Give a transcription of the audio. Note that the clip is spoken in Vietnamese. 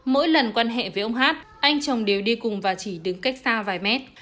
mỗi lần quan hệ với ông hát anh chồng đều đi cùng và chỉ đứng cách xa vài mét